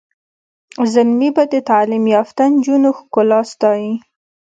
زلمي به د تعلیم یافته نجونو ښکلا ستایي.